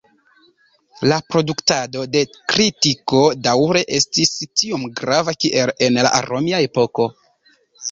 La produktado de tritiko daŭre estis tiom grava kiel en la romia epoko.